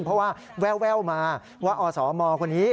เพราะว่าแววมาว่าอสมคนนี้